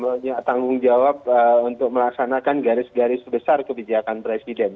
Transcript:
punya tanggung jawab untuk melaksanakan garis garis besar kebijakan presiden